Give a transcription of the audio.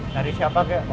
cari siapa kek